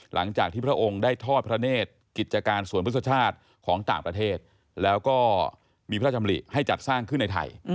หลังจากที่พระองค์ได้ทอดพระเนธกิจการสวนพฤษชาติของต่างประเทศแล้วก็มีพระชำริให้จัดสร้างขึ้นในไทย